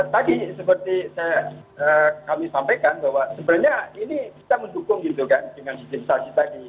tadi seperti kami sampaikan bahwa sebenarnya ini kita mendukung gitu kan dengan sistem tadi